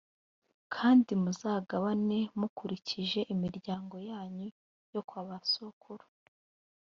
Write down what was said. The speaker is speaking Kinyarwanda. kandi muzagabane mukurikije imiryango yanyu yo kwa ba sokuru.